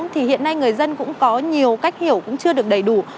thì hiện nay người dân cũng có nhiều cách hiểu cũng chưa được đầy đủ